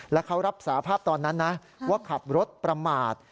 แล้วเขารับสาภาพตอนนั้นนะว่าขับรถประมาท